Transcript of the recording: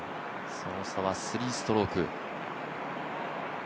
その差は３ストローク。